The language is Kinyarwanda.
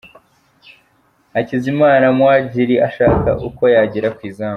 Hakizimana Muhadjili ashaka uko yagera ku izamu .